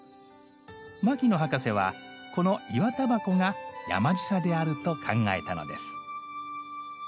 牧野博士はこのイワタバコが「山ぢさ」であると考えたのです。